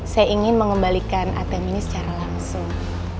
saya ingin mengembalikan atm ini secara langsung